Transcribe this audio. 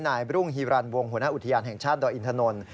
นายบรุงฮีวรรรณวงค์หัวหน้าอุทยานแห่งชาติดอยอินทนทรน